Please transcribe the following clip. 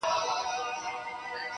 هغه سر نن هم هآ دَ ګوشی په ډګر پروت ده